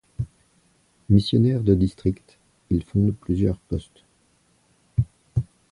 Missionnaire de district, il fonde plusieurs postes.